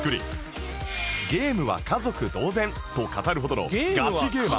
「ゲームは家族同然」と語るほどのガチゲーマー